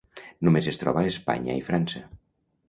Només es troba a Espanya i França.